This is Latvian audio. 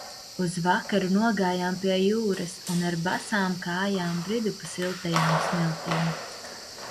Uz vakaru nogājām pie jūras un ar basām kājām bridu pa siltajām smiltīm.